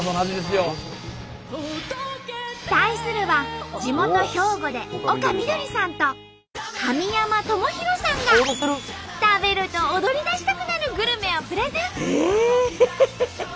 対するは地元兵庫で丘みどりさんと神山智洋さんが食べると踊りだしたくなるグルメをプレゼン！